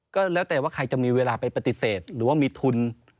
ก็แล้วแต่ว่าใครจะมีเวลาไปปฏิเสธหรือว่ามีทุน